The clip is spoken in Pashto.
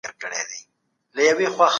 لويه جرګه به د هېواد برخليک وټاکي.